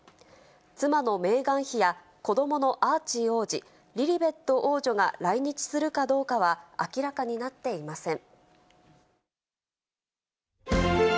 妻のメーガン妃や子どものアーチー王子、リリベット王女が来日するかどうかは、明らかになっていません。